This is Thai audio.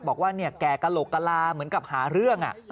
บอกว่าเนี่ยแก่กะโหลกกะลาเหมือนกับหาเรื่องอ่ะ